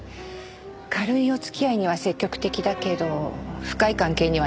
軽いお付き合いには積極的だけど深い関係にはなろうとしない。